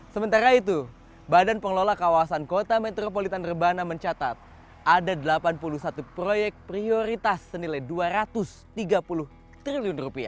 sementara itu badan pengelola kawasan kota metropolitan rebana mencatat ada delapan puluh satu proyek prioritas senilai rp dua ratus tiga puluh triliun